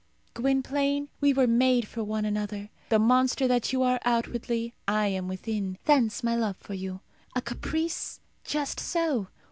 Gwynplaine, we were made for one another. The monster that you are outwardly, I am within. Thence my love for you. A caprice? Just so.